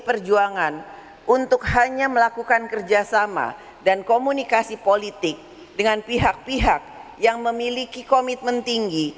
pdi perjuangan untuk hanya melakukan kerjasama dan komunikasi politik dengan pihak pihak yang memiliki komitmen tinggi